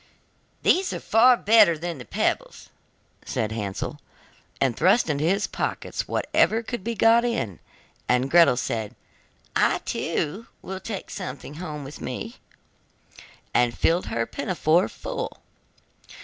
'These are far better than pebbles!' said Hansel, and thrust into his pockets whatever could be got in, and Gretel said: 'I, too, will take something home with me,' and filled her pinafore full.